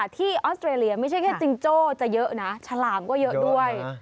ออสเตรเลียไม่ใช่แค่จิงโจ้จะเยอะนะฉลามก็เยอะด้วย